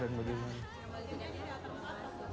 yang pentingnya jadi atau enggak